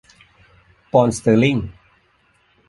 ปอนด์สเตอร์ลิง